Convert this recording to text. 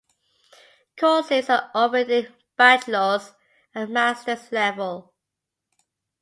Courses are offered in bachelors and masters level.